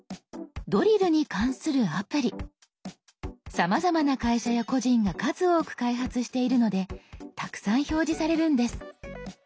さまざまな会社や個人が数多く開発しているのでたくさん表示されるんです。